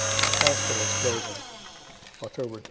HOSPITALS CLOSING October 3.